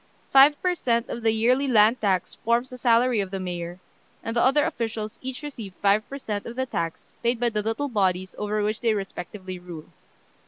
Five per cent. of the yearly land tax forms the salary of the mayor, and the other officials each receive five per cent. of the tax paid by the little bodies over which they respectively rule.